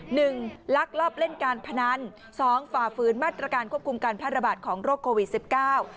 ลักลอบเล่นการพนันสองฝ่าฝืนมาตรการควบคุมการแพร่ระบาดของโรคโควิดสิบเก้า